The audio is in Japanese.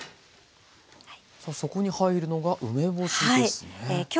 さあそこに入るのが梅干しですね。